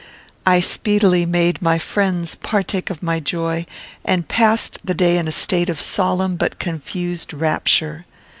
I speedily made my friends partake of my joy, and passed the day in a state of solemn but confused rapture.